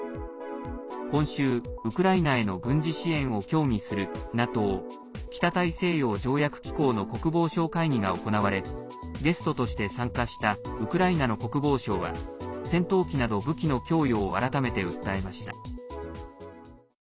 今週、ウクライナへの軍事支援を協議するＮＡＴＯ＝北大西洋条約機構の国防相会議が行われゲストとして参加したウクライナの国防相は戦闘機など、武器の供与を改めて訴えました。